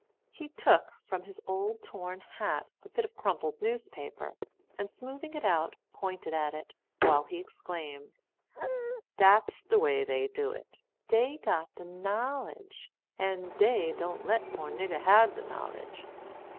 He took from his old torn hat a bit of crumpled newspaper, and smoothing it out, pointed at it, while he exclaimed: "Dat's de way dey do it! Dey got de knowledge; and dey don't let poor nigger hab de knowledge.